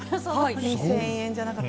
２０００円じゃなかった。